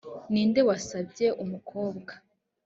ni nde wasabye umukobwa?